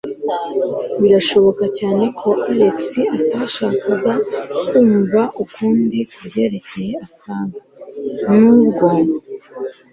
Birashoboka cyane ko Alex atashakaga kumva ukundi kubyerekeye akaga, nubwo.